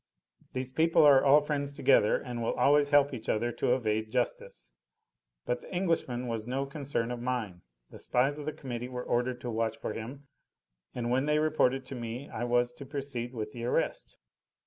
These people are all friends together, and will always help each other to evade justice. But the Englishman was no concern of mine. The spies of the Committee were ordered to watch for him, and when they reported to me I was to proceed with the arrest.